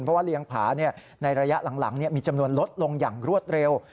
เพราะว่าเลี้ยงผาในระยะหลังมีจำนวนลดลงอย่างรวดเร็ว